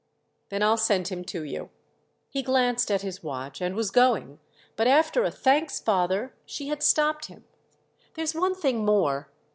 "Then I'll send him to you." He glanced at his watch and was going, but after a "Thanks, father," she had stopped him. "There's one thing more."